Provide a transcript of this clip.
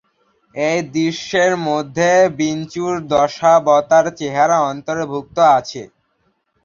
এই দৃশ্যের মধ্যে বিষ্ণুর দশাবতার-চেহারা অন্তর্ভুক্ত আছে।